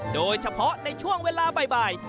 โดยเฉพาะในช่วงเวลาบ่าย